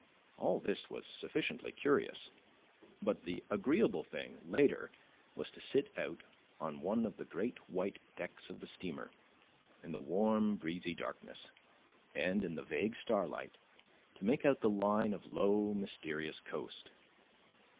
All this was sufficiently curious; but the agreeable thing, later, was to sit out on one of the great white decks of the steamer, in the warm breezy darkness, and, in the vague starlight, to make out the line of low, mysterious coast.